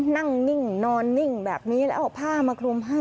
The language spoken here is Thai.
นิ่งนอนนิ่งแบบนี้แล้วเอาผ้ามาคลุมให้